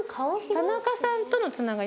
田中さんとのつながり？